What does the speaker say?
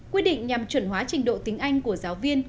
quy định nhằm chuẩn hóa trình độ tiếng anh của giáo viên